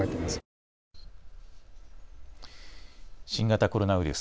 新型コロナウイルス。